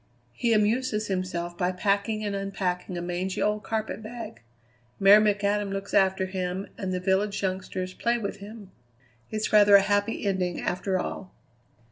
He amuses himself by packing and unpacking a mangy old carpet bag. Mary McAdam looks after him and the village youngsters play with him. It's rather a happy ending, after all."